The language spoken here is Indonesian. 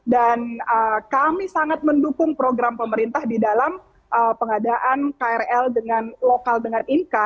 dan kami sangat mendukung program pemerintah di dalam pengadaan krl dengan lokal dengan inka